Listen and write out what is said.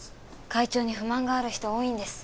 会長に不満がある人は多いんです。